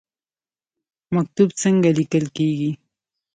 مکتوب څنګه لیکل کیږي؟